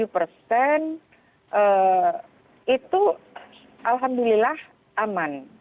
sembilan puluh tujuh persen itu alhamdulillah aman